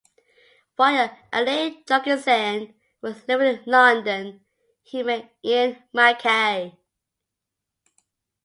While Alain Jourgensen was living in London, he met Ian MacKaye.